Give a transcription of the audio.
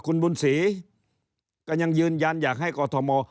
คุณบุญศรีก็ยังยืนยันอยากให้กอทม